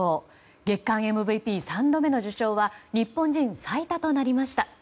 月間ＭＶＰ３度目の受賞は日本人最多となりました。